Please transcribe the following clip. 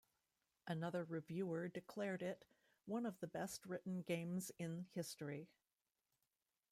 Another reviewer declared it "one of the best written games in history".